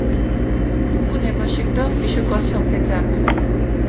გუკუნ ე ბოშიქ დო ვიშო გოსოფუ ე ძაფი.